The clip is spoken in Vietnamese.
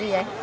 hoặc gì vậy